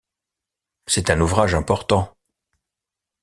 C'est un ouvrage important.